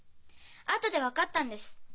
あとで分かったんです。